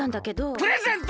プレゼント！